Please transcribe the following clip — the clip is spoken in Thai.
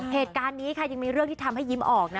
เหตุการณ์นี้ค่ะยังมีเรื่องที่ทำให้ยิ้มออกนะ